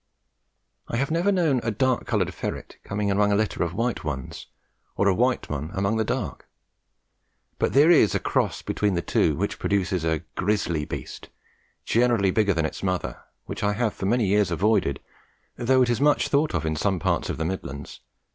I have never known a dark coloured ferret coming among a litter of white ones or a white among the dark; but there is a cross between the two which produces a grizzly beast, generally bigger than its mother, which I have for many years avoided, though it is much thought of in some parts of the Midlands.